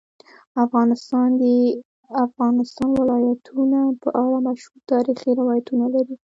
افغانستان د د افغانستان ولايتونه په اړه مشهور تاریخی روایتونه لري.